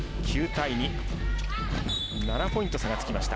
７ポイント差がつきました。